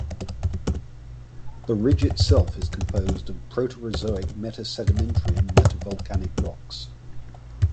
The ridge itself is composed of Proterozoic metasedimentary and metavolcanic rocks.